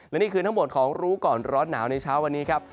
และนี่คือทั้งหมดของรู้ก่อนร้อนหนาวในเช้าวันนี้ครับ